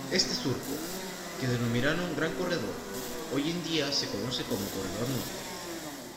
Este surco, que denominaron "Gran Corredor", hoy en día se conoce como Corredor Norton.